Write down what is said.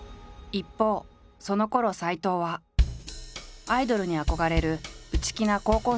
一方そのころ斎藤はアイドルに憧れる内気な高校生だった。